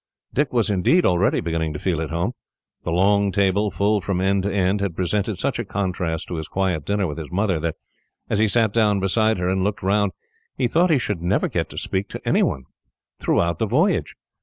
Dick was, indeed, already beginning to feel at home. The long table, full from end to end, had presented such a contrast to his quiet dinner with his mother, that, as he sat down beside her and looked round, he thought he should never get to speak to anyone throughout the voyage.